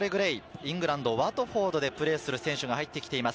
イングランドのワトフォードでプレーする選手が入ってきています。